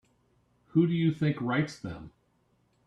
Who do you think writes them?